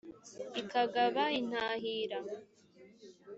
ikagaba intahira.